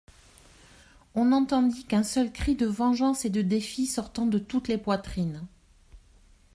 On n'entendit qu'un seul cri de vengeance et de défi sortant de toutes les poitrines.